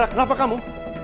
tiara kenapa kamu